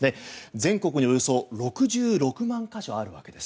全国におよそ６６万か所あるわけです。